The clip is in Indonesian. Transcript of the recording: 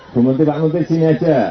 buk menteri pak menteri sini aja